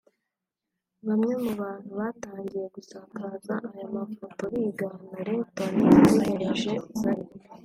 Bamwe mu bantu batangiye gusakaza aya mafoto bigana Ringtone ategereje Zari